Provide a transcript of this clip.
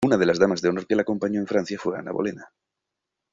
Una de las damas de honor que la acompañó a Francia fue Ana Bolena.